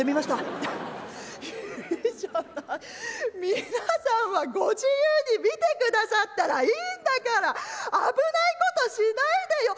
皆さんはご自由に見てくださったらいいんだから危ないことしないでよ」。